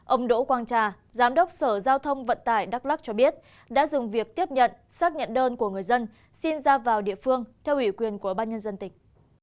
ông đỗ quang trà giám đốc sở giao thông vận tải đắk lắc cho biết đã dừng việc tiếp nhận xác nhận đơn của người dân xin ra vào địa phương theo ủy quyền của ban nhân dân tỉnh